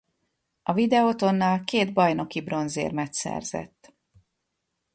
A Videotonnal két bajnoki bronzérmet szerzett.